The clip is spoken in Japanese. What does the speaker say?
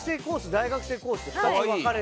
大学生コースって２つ分かれて。